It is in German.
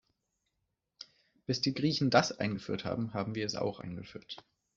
Bis die Griechen das eingeführt haben, haben wir es auch eingeführt.